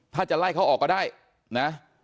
ถ้าจะไล่เขาออกก็ได้นะ